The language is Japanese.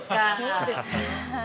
そうですよ。